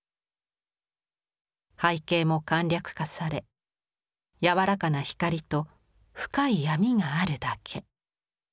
背景も簡略化され柔らかな光と深い闇があるだけ。